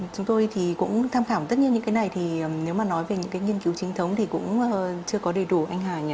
chúng tôi thì cũng tham khảo tất nhiên những cái này thì nếu mà nói về những cái nghiên cứu chính thống thì cũng chưa có đầy đủ anh hà